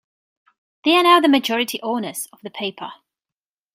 They are now the majority owners of the paper.